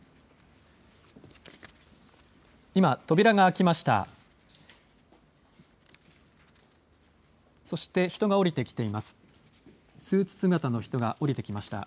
今、扉が開きました。